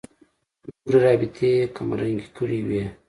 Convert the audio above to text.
نورې رابطې یې کمرنګې کړې وي.